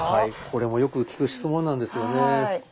これもよく聞く質問なんですよね。